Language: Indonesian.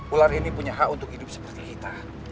ular ini punya hak untuk hidup seperti kita